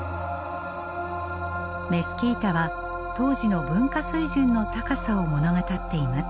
メスキータは当時の文化水準の高さを物語っています。